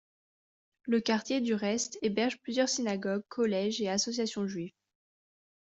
Le quartier du reste héberge plusieurs synagogues, collèges et associations juifs.